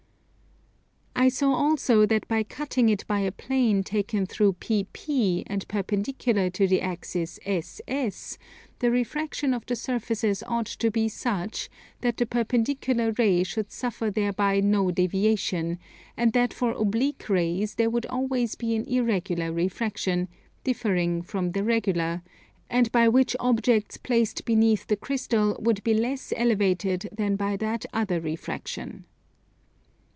I saw also that by cutting it by a plane taken through PP, and perpendicular to the axis SS, the refraction of the surfaces ought to be such that the perpendicular ray should suffer thereby no deviation; and that for oblique rays there would always be an irregular refraction, differing from the regular, and by which objects placed beneath the crystal would be less elevated than by that other refraction.